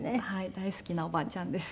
大好きなおばあちゃんです。